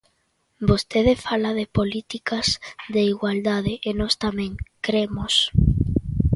Vostede fala de políticas de igualdade e nós tamén, cremos.